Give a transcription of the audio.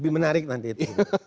lebih menarik nanti itu